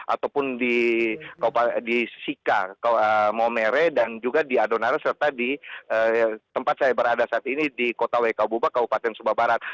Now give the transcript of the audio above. ataupun di sika momere dan juga di adonara serta di tempat saya berada saat ini di kota wkbuba kabupaten sumba barat